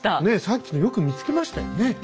ねえさっきのよく見つけましたよね。